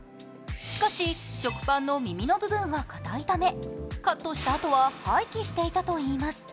しかし、食パンの耳の部分はかたいためカットしたあとは廃棄していたといいます。